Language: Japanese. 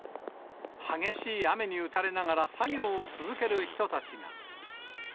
激しい雨に打たれながら作業を続ける人たちが。